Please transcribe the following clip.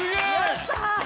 やったー！